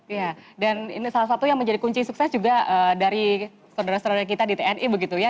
iya dan ini salah satu yang menjadi kunci sukses juga dari saudara saudara kita di tni begitu ya